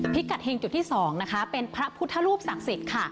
พิกัดเฮงจุดที่๒นะคะเป็นพระพุทธรูปศักดิ์สิทธิ์ค่ะ